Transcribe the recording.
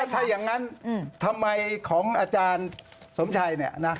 ถ้าอย่างนั้นทำไมของอาจารย์สมชัย